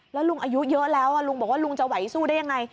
แล้วลุงอายุเยอะแล้วลุงบอกว่าลุงจะไหวสู้ได้ยังไง